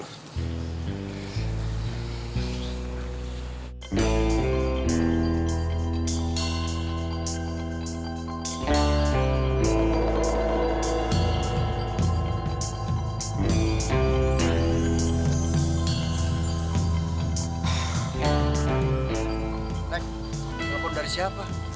neng telfon dari siapa